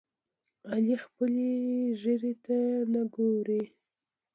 علي خپلې ګیرې ته نه ګوري.